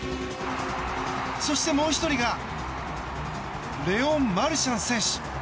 そしてもう１人がレオン・マルシャン選手。